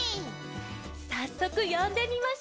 さっそくよんでみましょう。